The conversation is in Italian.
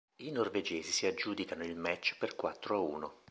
I norvegesi si aggiudicarono il match per quattro a uno.